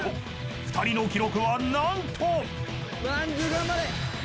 ［２人の記録は何と］